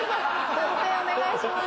判定お願いします。